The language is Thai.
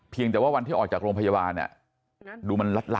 เพียงแต่ว่าวันที่ออกจากโรงพยาบาลดูมันรัดน่ะ